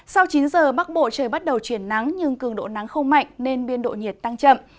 sau chín giờ bắc bộ trời bắt đầu chuyển nắng nhưng cường độ nắng không mạnh nên biên độ nhiệt tăng chậm